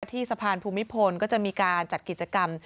ที่สะพานภูมิพลก็จะมีการจัดกิจกรรม